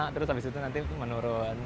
terus habis itu nanti menurun